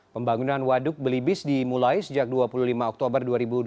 pembangunan waduk belibis dimulai sejak dua puluh lima oktober dua ribu dua puluh